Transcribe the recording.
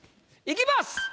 いきます。